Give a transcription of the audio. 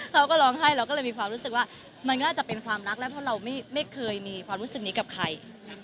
เราก็ร้องไห้เราก็เลยมีความรู้สึกว่ามันก็อาจจะเป็นความรักแล้วเพราะเราไม่เคยมีความรู้สึกนี้กับใคร